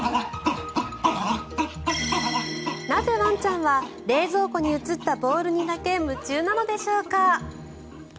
なぜ、ワンちゃんは冷蔵庫に映ったボールにだけ夢中なのでしょうか。